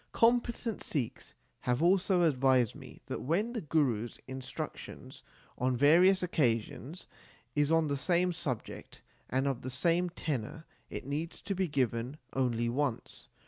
Competent Sikhs have also advised me that when the Guru s instruction on various occasions is on the same subject and of the same tenor, it needs be given only once.